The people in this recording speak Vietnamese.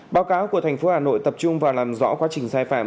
báo cáo của tp hà nội tập trung vào làm rõ quá trình sai phạm